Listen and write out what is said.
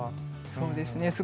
そうです。